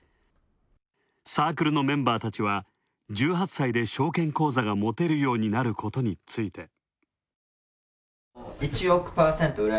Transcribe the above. サークルのメンバーたちは１８歳で証券口座が持てるようになることについて。